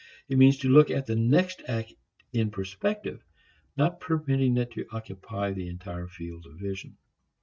It means to look at the next act in perspective, not permitting it to occupy the entire field of vision.